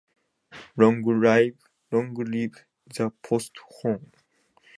Long Live the Post Horn!